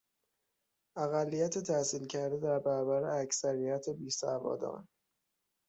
اقلیت تحصیل کرده در برابر اکثریت بیسوادان